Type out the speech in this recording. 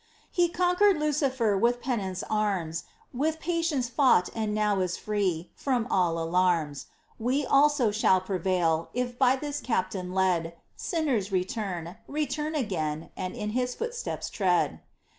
TERESA, He conquered Lucifer With penance' arms, With patience fought and now is free From all alarms. We also shall prevail, if by This captain led, Sinners, return, return again, and in His footsteps tread